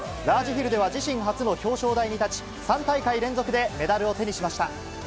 ラージヒルでは自身初の表彰台に立ち、３大会連続でメダルを手にしました。